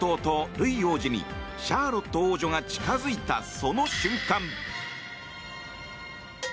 ルイ王子にシャーロット王女が近づいたその瞬間。